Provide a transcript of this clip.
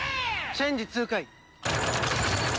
チェンジ痛快。